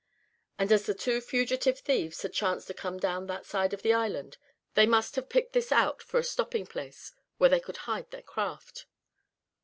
And as the two fugitive thieves had chanced to come down that side of the island they must have picked this out for a stopping place, where they could hide their craft.